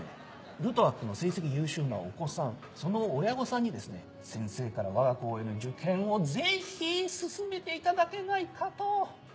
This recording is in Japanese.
ルトワックの成績優秀なお子さんその親御さんにですね先生からわが校への受験をぜひ勧めていただけないかと。